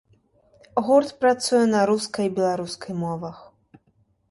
Гурт працуе на рускай і беларускай мовах.